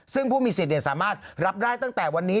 ซึ่งผู้มีสิทธิ์สามารถรับได้ตั้งแต่วันนี้